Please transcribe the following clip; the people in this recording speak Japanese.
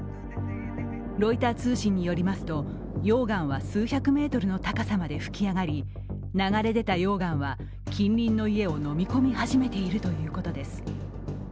ロイター通信によりますと、溶岩は数百メートルの高さまで噴き上がり流れ出た溶岩は近隣の家をのみ込み始めているということです。